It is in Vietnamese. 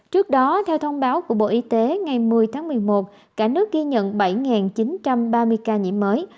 trước đó theo thông báo của bộ y tế ngày một mươi tháng một mươi một cả nước ghi nhận bảy chín trăm ba mươi ca nhiễm mới